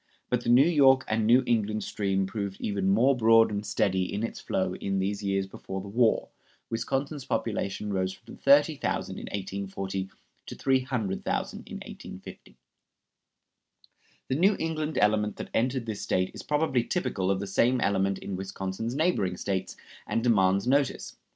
But the New York and New England stream proved even more broad and steady in its flow in these years before the war. Wisconsin's population rose from 30,000 in 1840 to 300,000 in 1850. The New England element that entered this State is probably typical of the same element in Wisconsin's neighboring States, and demands notice.